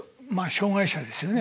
障害者ですよね